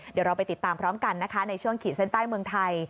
เดี๋ยวเราไปติดตามพร้อมกันนะคะในช่วงขีดเส้นใต้เมืองไทย